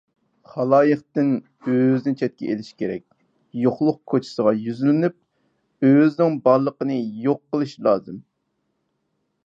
خالايىقتىن ئۆزىنى چەتكە ئېلىش كېرەك، يوقلۇق كوچىسىغا يۈزلىنىپ، ئۆزىنىڭ بارلىقىنى يوق قىلىش لازىم.